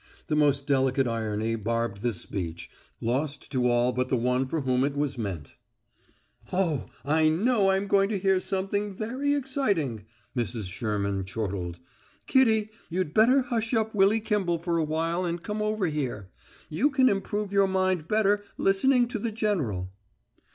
The most delicate irony barbed this speech, lost to all but the one for whom it was meant. "Oh, I know I'm going to hear something very exciting," Mrs. Sherman chortled. "Kitty, you'd better hush up Willy Kimball for a while and come over here. You can improve your mind better listening to the general."